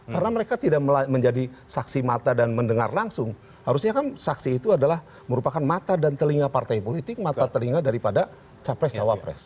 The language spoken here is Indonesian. karena mereka tidak menjadi saksi mata dan mendengar langsung harusnya kan saksi itu adalah merupakan mata dan telinga partai politik mata telinga daripada capres cawapres